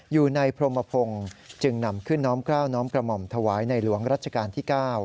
อยู่ในพรมพงศ์จึงนำขึ้นน้อมกล้าวน้อมกระหม่อมถวายในหลวงรัชกาลที่๙